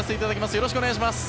よろしくお願いします。